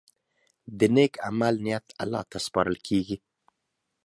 د نیک عمل نیت الله ته سپارل کېږي.